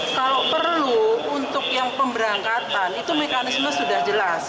kalau perlu untuk yang pemberangkatan itu mekanisme sudah jelas